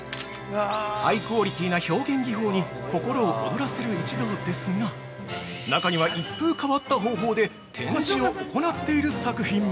◆ハイクオリティーな表現技法に心を躍らせる一同ですが中には、一風変わった方法で展示を行っている作品も。